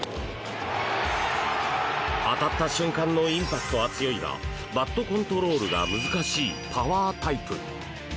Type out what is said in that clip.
当たった瞬間のインパクトは強いがバットコントロールが難しいパワータイプ。